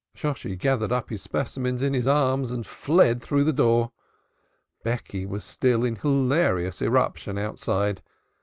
Shosshi gathered up his specimens in his arms and fled through the door. Becky was still in hilarious eruption outside.